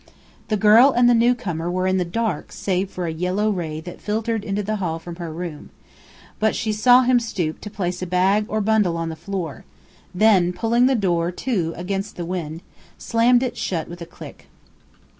The girl and the newcomer were in the dark save for a yellow ray that filtered into the hall from her room, but she saw him stoop to place a bag or bundle on the floor, and then, pulling the door to against the wind, slammed it shut with a click.